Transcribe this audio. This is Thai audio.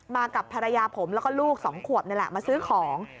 กับภรรยาผมแล้วก็ลูก๒ขวบนี่แหละมาซื้อของ